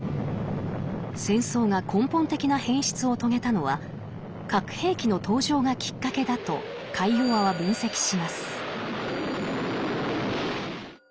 戦争が根本的な変質を遂げたのは核兵器の登場がきっかけだとカイヨワは分析します。